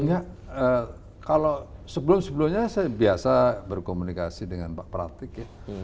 enggak kalau sebelum sebelumnya saya biasa berkomunikasi dengan pak pratik